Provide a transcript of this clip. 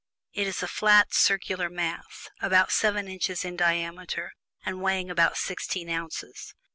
It is a flat, circular mass, about seven inches in diameter, and weighing about sixteen ounces.